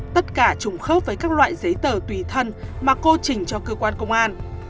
tất cả trùng khớp với các loại giấy tờ tùy thân mà cô trình cho cơ quan công an